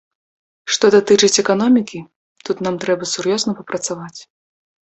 Што датычыць эканомікі, тут нам трэба сур'ёзна папрацаваць.